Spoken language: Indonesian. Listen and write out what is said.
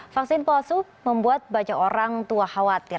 vaksin palsu membuat banyak orang tua khawatir